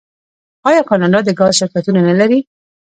آیا کاناډا د ګاز شرکتونه نلري؟